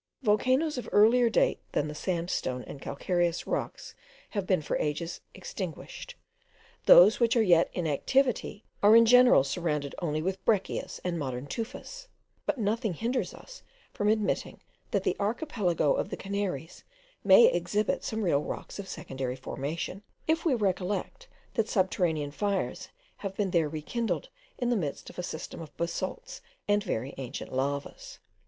Volcanoes of earlier date than the sandstone and calcareous rocks have been for ages extinguished; those which are yet in activity are in general surrounded only with breccias and modern tufas; but nothing hinders us from admitting, that the archipelago of the Canaries may exhibit some real rocks of secondary formation, if we recollect that subterranean fires have been there rekindled in the midst of a system of basalts and very ancient lavas.